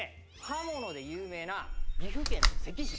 刃物で有名な岐阜県の関市。